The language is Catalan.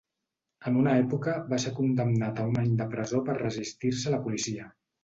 En una època va ser condemnat a un any de presó per resistir-se a la policia.